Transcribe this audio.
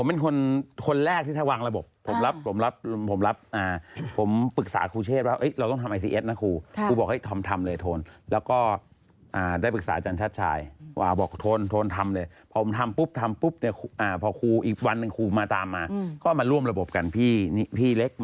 ไม่ว่าจะของบรรเทศไตก็แล้วแต่